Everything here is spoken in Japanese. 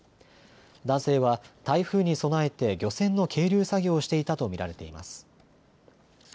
男性は台風に備えて漁船の係留作業をしていたと見られています。